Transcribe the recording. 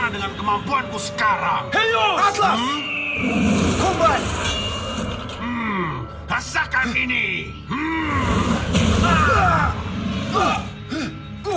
hidayat kalau kau bisa menangkapku akan ku jawab sesuai keinginanmu